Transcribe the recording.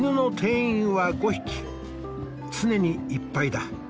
常にいっぱいだ。